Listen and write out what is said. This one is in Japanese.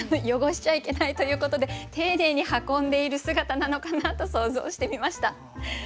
汚しちゃいけないということで丁寧に運んでいる姿なのかなと想像してみました。